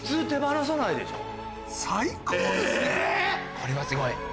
これはすごい。